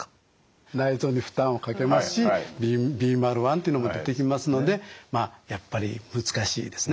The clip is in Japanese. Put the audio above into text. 内臓に負担をかけますしビーマル１というのも出てきますのでまあやっぱり難しいですね。